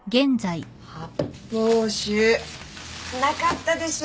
発泡酒なかったでしょ？